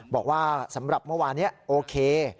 บอกว่าสำหรับเมื่อวานนี้โอเค